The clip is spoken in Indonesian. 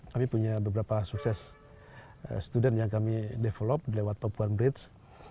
kami punya beberapa sukses student yang kami develop lewat papuan bridge